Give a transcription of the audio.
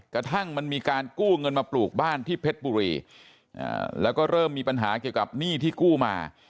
กระทั่งมันมีการกู้เงินมาปลูกบ้านที่เพชรบุรีแล้วก็เริ่มมีปัญหาเกี่ยวกับหนี้ที่กู้มา